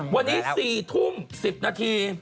วันนี้๔ทุ่ม๑๐นาที